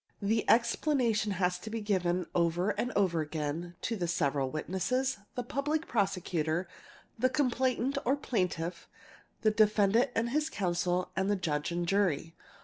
The explanation has to be given over and over again; to the several witnesses, the Public Prosecutor, the complainant or Plaintiff, the defendant and his counsel, and the Judge and jury.